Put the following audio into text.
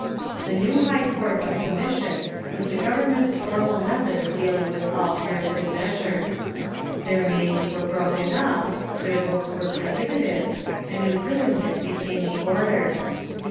The new High Court of Commission was the government's formal meth od of dealing with all Puritan measures. Their meetings were broken up, their books were prohibited, and imprisonment be came the order.